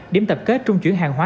điểm tập kết trung chuyển hàng hóa